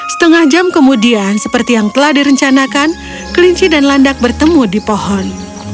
setengah jam kemudian seperti yang telah direncanakan kelinci dan landak bertemu di pohon